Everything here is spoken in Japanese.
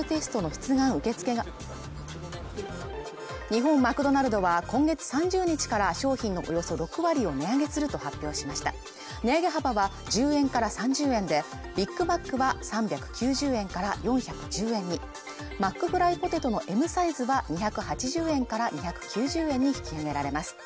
日本マクドナルドは今月３０日から商品のおよそ６割を値上げすると発表しました値上げ幅は１０円から３０円でビッグマックは３９０円から４１０円にマックフライポテトのＭサイズは２８０円から２９０円に引き上げられます